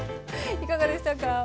いかがでしたか？